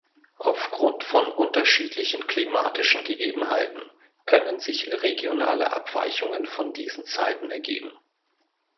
Aufgrund von unterschiedlichen klimatischen Gegebenheiten können sich regionale Abweichungen von diesen Zeiten ergeben.